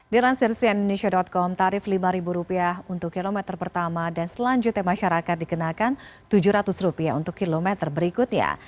dilansir cnn indonesia com tarif rp lima untuk kilometer pertama dan selanjutnya masyarakat dikenakan rp tujuh ratus untuk kilometer berikutnya